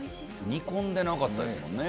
煮込んでなかったですもんね。